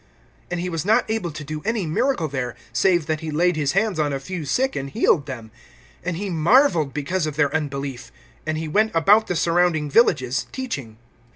(5)And he was not able to do any miracle there, save that he laid his hands on a few sick, and healed them. (6)And he marveled because of their unbelief. And he went about the surrounding villages, teaching.